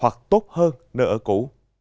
hoặc tốt hơn nơi ở cũ